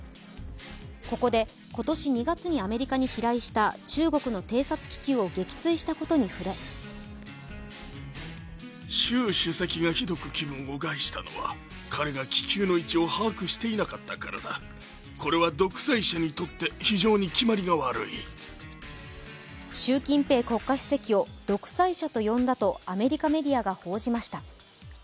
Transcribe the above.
ここで、今年２月にアメリカに飛来した中国の偵察気球を撃墜したことに触れ習近平国家主席を独裁者と呼んだとアメリカメディアが報じました。